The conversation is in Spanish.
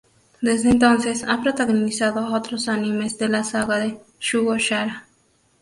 Desde entonces, ha protagonizado a otros animes de la saga de "Shugo Chara!